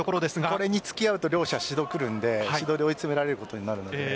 これに付き合うと指導が来るので指導で追い詰められることになるので。